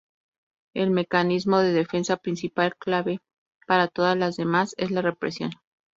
El mecanismo de defensa principal, clave para todas las demás, es la represión.